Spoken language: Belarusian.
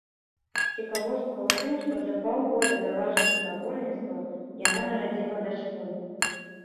Цікавостка ў тым, што за паўгода да важных спаборніцтваў яна нарадзіла дачку.